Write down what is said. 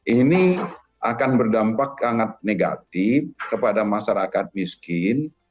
ini akan berdampak sangat negatif kepada masyarakat miskin